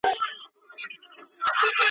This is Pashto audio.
دا خبره تکرارېږي.